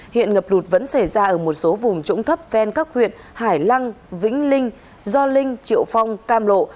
hiện ngập lụt vẫn xảy ra ở một số vùng trũng thấp ven các huyện hải lăng vĩnh linh do linh triệu phong cam lộ